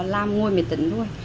làm ngôi miệt tỉnh thôi